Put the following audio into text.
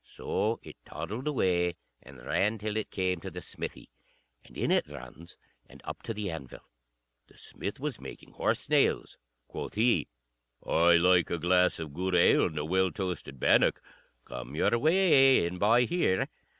So it toddled away and ran till it came to the smithy; and in it runs, and up to the anvil. The smith was making horse nails. Quoth he: "I like a glass of good ale and a well toasted bannock. Come your way in by here."